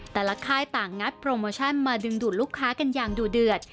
ค่ายต่างงัดโปรโมชั่นมาดึงดูดลูกค้ากันอย่างดูเดือด